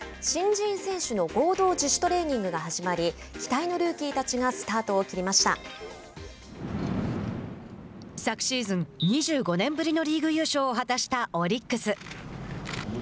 新人選手の合同自主トレーニングが始まり期待のルーキーたちが昨シーズン、２５年ぶりのリーグ優勝を果たしたオリックス。